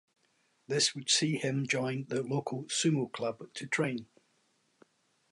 This would see him join the local sumo club to train.